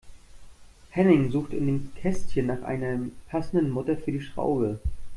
Henning sucht in dem Kästchen nach einer passenden Mutter für die Schraube.